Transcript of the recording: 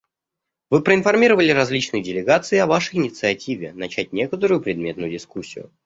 Вы проинформировали различные делегации о Вашей инициативе − начать некоторую предметную дискуссию.